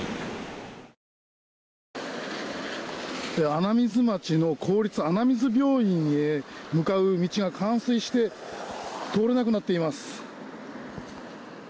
穴水町の公立穴水病院へ向かう道が冠水して通れなくなっています。